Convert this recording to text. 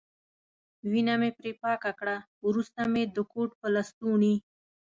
وینه مې پرې پاکه کړل، وروسته مې د کوټ په لستوڼي.